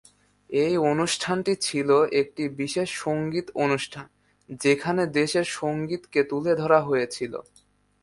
এই অনুষ্ঠানটি ছিল একটি বিশেষ সঙ্গীত অনুষ্ঠান, যেখানে দেশের সঙ্গীতকে তুলে ধরা হয়েছিল।